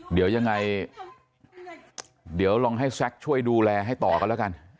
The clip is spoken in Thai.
เดี๋ยวยังไงเดี๋ยวลองให้แซคช่วยดูแลให้ต่อกันแล้วกัน